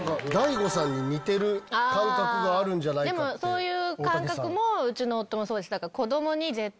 そういう感覚もうちの夫もそうです。